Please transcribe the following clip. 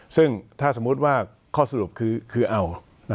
ซึ่งถ้าสมมุติว่าข้อสรุปคือเอา